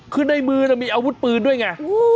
คือในมือมีอาวุธปืนด้วยไง